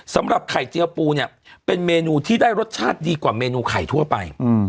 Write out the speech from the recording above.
สำหรับไข่เจียวปูเนี่ยเป็นเมนูที่ได้รสชาติดีกว่าเมนูไข่ทั่วไป